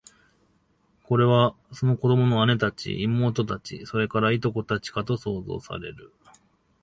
それは、その子供の姉たち、妹たち、それから、従姉妹たちかと想像される